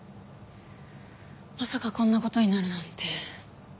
まさかこんな事になるなんて。